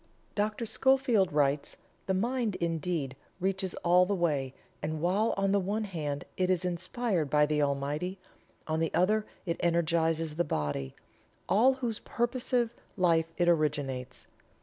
Dr. Schofield writes: "The mind, indeed, reaches all the way, and while on the one hand it is inspired by the Almighty, on the other it energizes the body, all whose purposive life it originates.